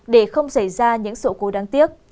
để không xảy ra những sự cố đáng tiếc